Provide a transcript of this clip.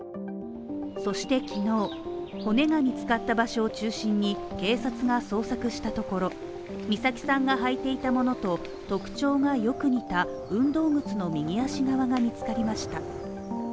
そして骨が見つかった場所を中心に、警察が捜索したところ美咲さんが履いていたものと特徴がよく似た運動靴の右足側が見つかりました。